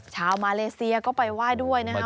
ชาวมาเลเซียก็ไปไหว้ด้วยนะครับ